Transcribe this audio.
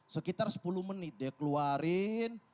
sekitar sepuluh menit dia keluarin